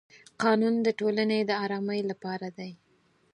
قانون د ټولنې د ارامۍ لپاره دی.